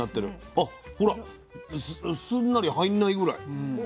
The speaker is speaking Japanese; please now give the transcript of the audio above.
あほらすんなり入んないぐらい。